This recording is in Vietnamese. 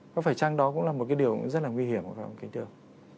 có phải chăng đó cũng là một cái điều rất là nguy hiểm không ạ kính thưa ông